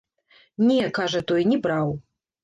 Не, кажа той, не браў.